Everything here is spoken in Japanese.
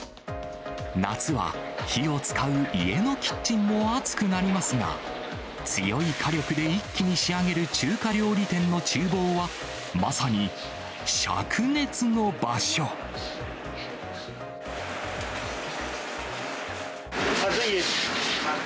夏は火を使う家のキッチンも暑くなりますが、強い火力で一気に仕上げる中華料理店のちゅう房は、まさにしゃく暑いです。